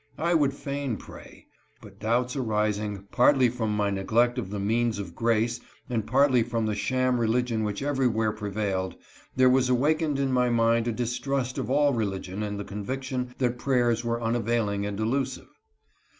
I would fain pray ; but doubts arising, partly from my neglect of the means of grace and partly from the sham religion which every where prevailed, there was awakened in my mind a dis trust of all religion and the conviction that prayers were unavailing and delusive.